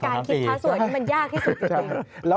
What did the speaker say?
การคิดพาสเวิร์ดมันยากที่สุดจริง